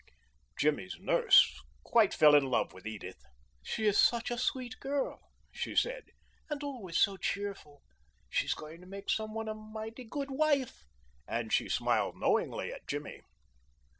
Jimmy's nurse quite fell in love with Edith. "She is such a sweet girl," she said, "and always so cheerful. She is going to make some one a mighty good wife," and she smiled knowingly at Jimmy.